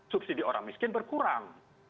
subsidi orang miskin berkurang